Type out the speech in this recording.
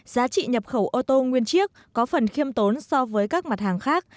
giá trị nhập khẩu ô tô nguyên chiếc có phần khiêm tốn so với các mặt hàng khác